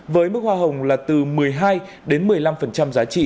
với mức hoa hồng là từ một mươi hai đến một mươi năm giá trị